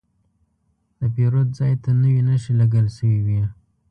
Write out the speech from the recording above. د پیرود ځای ته نوې نښې لګول شوې وې.